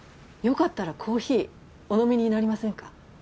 よかったらコーヒーお飲みになりませんか？